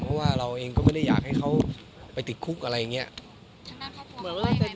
เพราะว่าเราเองก็ไม่ได้อยากให้เขาไปติดคุกอะไรอย่างนี้